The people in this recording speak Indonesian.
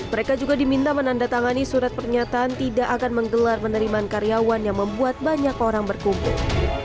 mereka juga diminta menandatangani surat pernyataan tidak akan menggelar penerimaan karyawan yang membuat banyak orang berkumpul